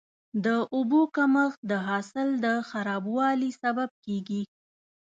د اوبو کمښت د حاصل د خرابوالي سبب کېږي.